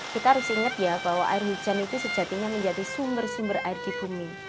kita harus ingat ya bahwa air hujan itu sejatinya menjadi sumber sumber air di bumi